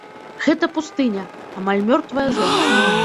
Гэта пустыня, амаль мёртвая зона.